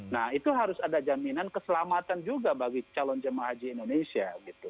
nah itu harus ada jaminan keselamatan juga bagi calon jemaah haji indonesia gitu